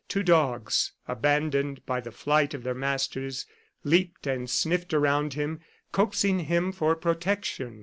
Two dogs, abandoned by the flight of their masters, leaped and sniffed around him, coaxing him for protection.